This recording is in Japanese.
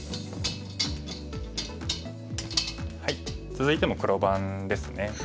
続いても黒番ですね。